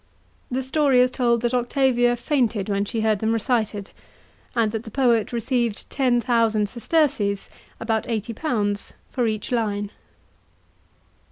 The story is told that Octavia fainted when she heard them recited, and that the poet received ten thousand sesterces (about £80) for each line.